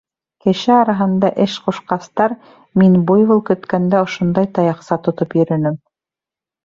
Кеше араһында эш ҡушҡастар, мин буйвол көткәндә ошондай таяҡса тотоп йөрөнөм.